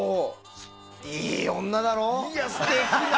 いい女だろ？